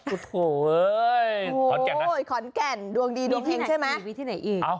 โอ้โหขอนแก่นนะดวงดีดวงเองใช่ไหม